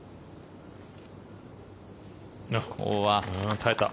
耐えた。